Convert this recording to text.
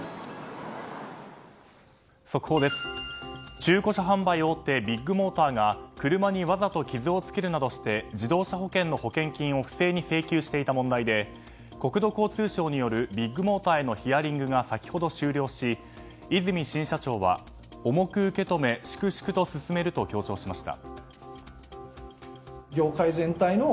中古車販売大手ビッグモーターが車にわざと傷をつけるなどして自動車保険の保険金を不正に請求していた問題で国土交通省によるビッグモーターへのヒアリングが先ほど終了し、和泉新社長は重く受け止め粛々と進めると強調しました。